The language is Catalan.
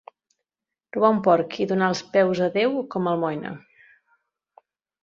Robar un porc i donar els peus a Déu com a almoina.